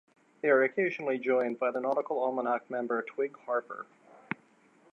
They are occasionally joined by Nautical Almanac member Twig Harper.